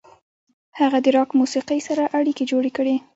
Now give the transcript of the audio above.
هغه د راک موسیقۍ سره اړیکې جوړې کړې.